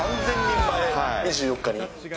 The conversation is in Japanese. ２４日に。